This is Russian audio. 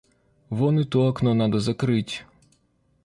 Вон и то окно надо закрыть.